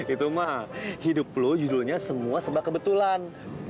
itu mah hidup lo judulnya semua sebab kebetulan